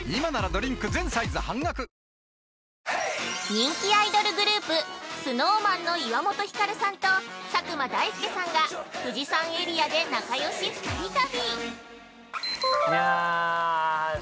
◆人気アイドルグループＳｎｏｗＭａｎの岩本照さんと佐久間大介さんが富士山エリアで仲よし二人旅。